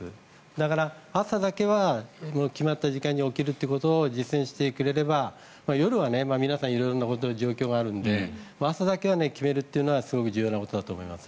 だから、朝だけは決まった時間に起きることを実践してくれれば夜は皆さん色んなこと状況があるので朝だけは決めるというのは重要なことだと思います。